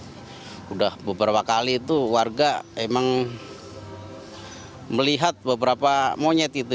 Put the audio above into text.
sudah beberapa kali itu warga emang melihat beberapa monyet itu